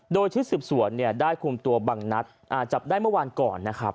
โดยชุดสืบสวนได้คุมตัวบังนัดจับได้เมื่อวานก่อนนะครับ